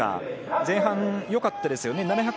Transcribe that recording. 前半よかったですよね。